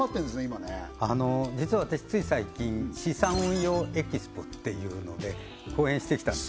今ね実は私つい最近資産運用ＥＸＰＯっていうので講演してきたんです